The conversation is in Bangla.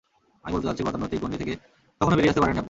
আমি বলতে চাইছি, গতানুগতিক গণ্ডি থেকে তখনো বেরিয়ে আসতে পারেননি আপনি।